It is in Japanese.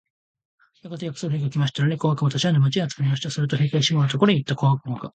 やがて約束の日が来ましたので、小悪魔たちは、沼地へ集まりました。すると兵隊シモンのところへ行った小悪魔が、